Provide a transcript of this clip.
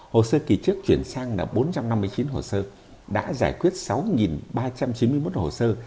hồ sơ kỳ trước chuyển sang là bốn trăm năm mươi chín hồ sơ đã giải quyết sáu ba trăm chín mươi một hồ sơ